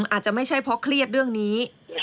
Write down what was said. อาจจะไม่ใช่เพราะเครียดเรื่องนี้